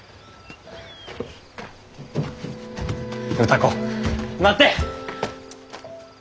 歌子待って！